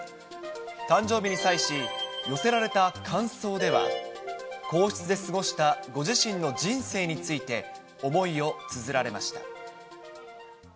誕生日に際し、寄せられた感想では、皇室で過ごしたご自身の人生について、思いをつづられました。